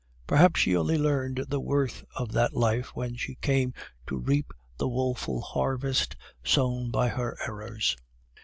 Perhaps she only learned the worth of that life when she came to reap the woeful harvest sown by her errors.